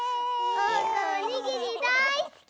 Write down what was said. おうかおにぎりだいすき！